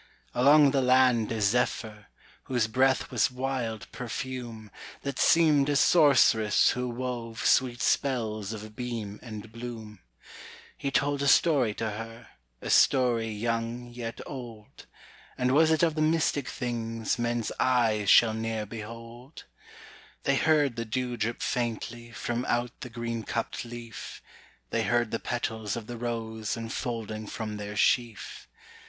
Along the land a zephyr, Whose breath was wild perfume, That seemed a sorceress who wove Sweet spells of beam and bloom. He told a story to her, A story young yet old And was it of the mystic things Men's eyes shall ne'er behold? They heard the dew drip faintly From out the green cupped leaf; They heard the petals of the rose Unfolding from their sheaf.